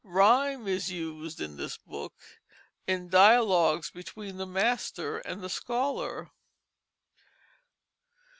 Rhyme is used in this book, in dialogues between the master and scholar.